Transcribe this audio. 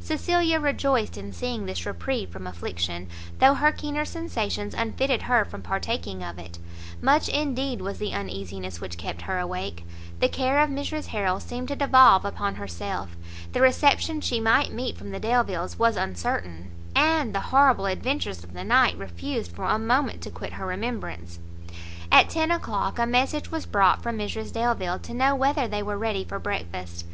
Cecilia rejoiced in seeing this reprieve from affliction, though her keener sensations unfitted her from partaking of it; much indeed was the uneasiness which kept her awake; the care of Mrs Harrel seemed to devolve upon herself, the reception she might meet from the Delviles was uncertain, and the horrible adventures of the night, refused for a moment to quit her remembrance. At ten o'clock, a message was brought from Mrs Delvile, to know whether they were ready for breakfast.